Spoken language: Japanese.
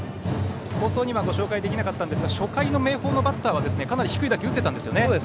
放送ではご紹介できなかったんですが初回の明豊のバッターはかなり低い打球を打っていましたね。